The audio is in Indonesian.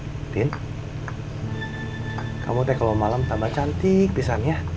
entin kamu kalau malam tambah cantik pisangnya